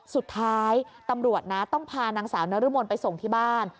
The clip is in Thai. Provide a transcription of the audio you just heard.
สุดท้ายตำรวจนะต้องพานางสาวนรมนไปส่งที่บ้าน